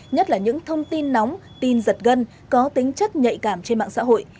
nhất là những thông tin nóng tin giật gân có tính chất nhạy cảm trên mạng xã hội